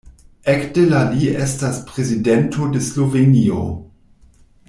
Ekde la li estas Prezidento de Slovenio.